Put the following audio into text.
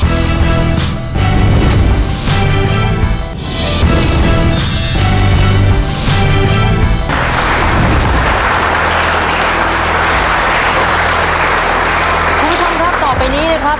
คุณผู้ชมครับต่อไปนี้นะครับ